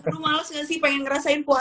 lo males nggak sih pengen ngerasain puasa